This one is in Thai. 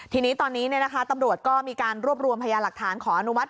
ทีนี้ตอนนี้ตำรวจก็มีการรวบรวมพยาหลักฐานขออนุมัติ